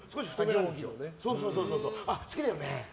好きだよね？